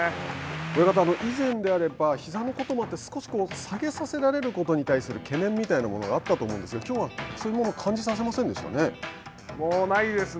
親方、以前であればひざのこともあって少し下げさせられることに対する懸念みたいなものがあったと思うんですけれども、きょうはそういうものはもうないですよね。